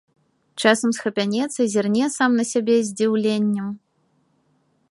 Часам схапянецца, зірне сам на сябе з здзіўленнем.